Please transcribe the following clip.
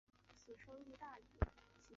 束丝菝葜为百合科菝葜属下的一个种。